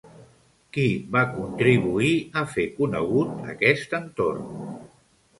Qui va contribuir a fer conegut aquest entorn?